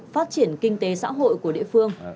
phát triển kinh tế xã hội của địa phương